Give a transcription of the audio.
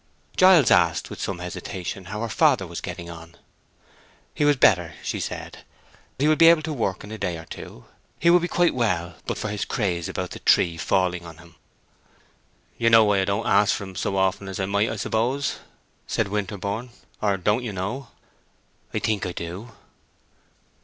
Giles asked, with some hesitation, how her father was getting on. He was better, she said; he would be able to work in a day or two; he would be quite well but for his craze about the tree falling on him. "You know why I don't ask for him so often as I might, I suppose?" said Winterborne. "Or don't you know?" "I think I do."